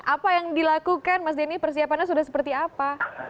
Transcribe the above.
apa yang dilakukan mas denny persiapannya sudah seperti apa